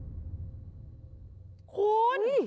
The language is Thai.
เดี๋ยวเราก็จะเปิดหมุน